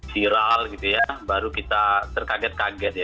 viral gitu ya baru kita terkaget kaget ya